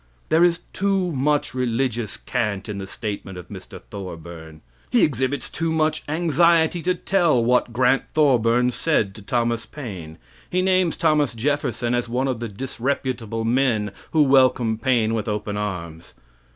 There is too much religious cant in the statement of Mr. Thorburn. He exhibits too much anxiety to tell what Grant Thorburn said to Thomas Paine. He names Thomas Jefferson as one of the disreputable men who welcomed Paine with open arms.